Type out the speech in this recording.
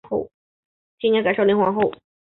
后来在汉高帝七年改称昭灵皇后。